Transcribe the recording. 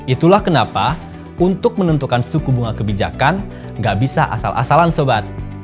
itulah kenapa untuk menentukan suku bunga kebijakan nggak bisa asal asalan sobat